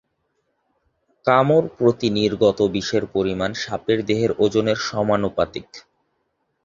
কামড় প্রতি নির্গত বিষের পরিমাণ সাপের দেহের ওজনের সমানুপাতিক।